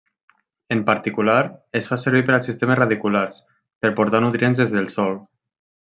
En particular, es fa servir per als sistemes radiculars per portar nutrients des del sòl.